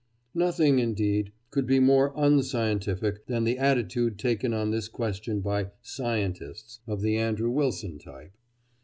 Nothing, indeed, could be more _un_scientific than the attitude taken on this question by "scientists" of the Andrew Wilson type.